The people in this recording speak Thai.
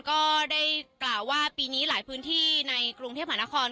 ก็ได้กล่าวว่าปีนี้หลายพื้นที่ในกรุงเทพหานคร